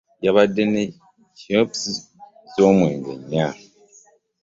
Yabadde ne chups zomwenge nnya .